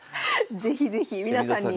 是非是非皆さんに。